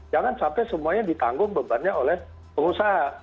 jangan sampai semuanya ditanggung bebannya oleh pengusaha